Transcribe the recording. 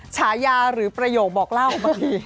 ฉายาหรือประโยคบอกเล่าบางที